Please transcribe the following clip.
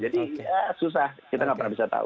jadi ya susah kita nggak pernah bisa tahu